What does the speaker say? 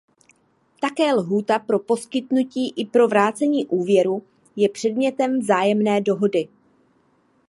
Také lhůta pro poskytnutí i pro vrácení úvěru je předmětem vzájemné dohody.